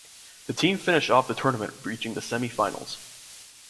The team finished off the tournament reaching the Semi-Finals.